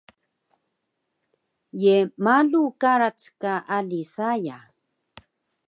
Ye malu karac ka ali saya?